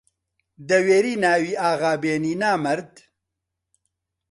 دەوێری ناوی ئاغا بێنی نامەرد!